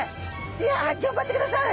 いや頑張ってください！